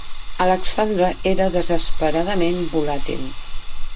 Alexandre era desesperadament volàtil.